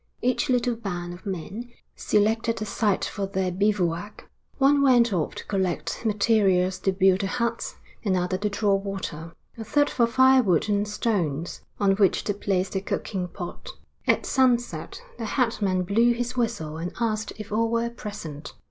Each little band of men selected the site for their bivouac; one went off to collect materials to build the huts, another to draw water, a third for firewood and stones, on which to place the cooking pot. At sunset the headman blew his whistle and asked if all were present.